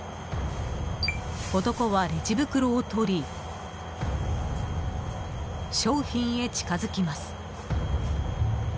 男は、レジ袋を取り商品へ近づきます。